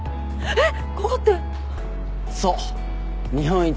えっ？